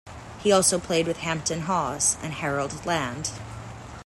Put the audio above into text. He also played with Hampton Hawes and Harold Land.